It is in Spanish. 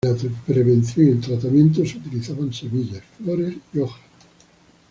En la prevenсión y el tratamiento se utilizaban semillas, flores, hojas.